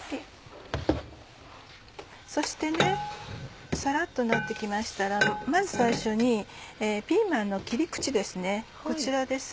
そしてサラっとなって来ましたらまず最初にピーマンの切り口です